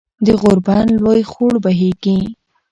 د غوربند لوے خوړ بهېږي